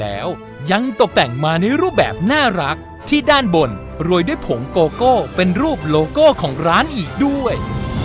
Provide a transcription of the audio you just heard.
แล้วยังตกแต่งมาในรูปแบบน่ารักที่ด้านบนโรยด้วยผงโกโก้เป็นรูปโลโก้ของร้านอีกด้วย